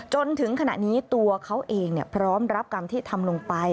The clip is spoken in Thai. จนถึงขณะนี้ตัวเขาเองพร้อมรับกรรมที่ทำลงไป